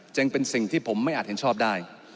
จึงเป็นสิ่งที่ผมไม่อาจเห็นชอบได้